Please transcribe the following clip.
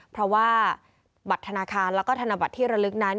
เพราะว่าบัตรธนาคารแล้วก็ธนบัตรที่ระลึกนั้น